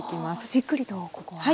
じっくりとここは。